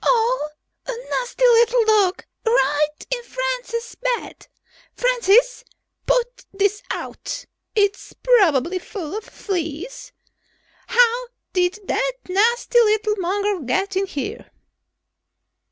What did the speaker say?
"Oh! A nasty little dog right in Francis's bed! Francis, push it out! It's probably full of fleas. How did that nasty little mongrel get in here?"